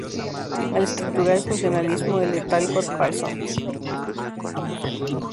Al estructural funcionalismo, el de Talcott Parsons.